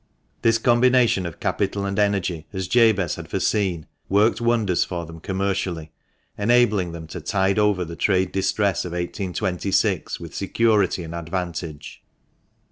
This combination of capital and energy, as Jabez had foreseen, worked wonders for them commercially, enabling them to tide over the trade distress of 1826 with security and advantage.